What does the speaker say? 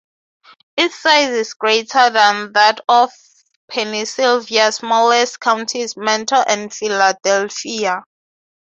Its size is greater than that of Pennsylvania's two smallest counties, Montour and Philadelphia.